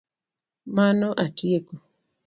Mano atieko